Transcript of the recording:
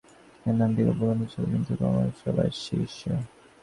এ নামটি কাব্যগ্রন্থে চলে কিন্তু কুমারসভায়– শ্রীশ।